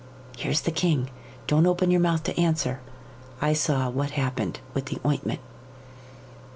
Here's the king. Don't open your mouth to answer. I saw what happened with the ointment."